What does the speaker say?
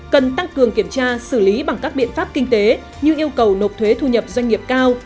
cần tăng cường kiểm tra xử lý bằng các biện pháp kinh tế như yêu cầu nộp thuế thu nhập doanh nghiệp cao